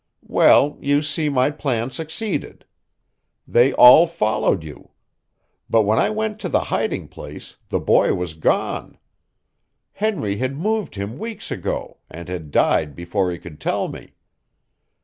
Well, you see my plan succeeded. They all followed you. But when I went to the hiding place the boy was gone. Henry had moved him weeks ago, and had died before he could tell me.